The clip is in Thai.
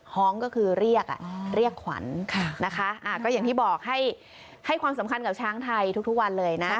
ห้องก็คือเรียกเรียกขวัญอย่างที่บอกให้ความสำคัญกับช้างไทย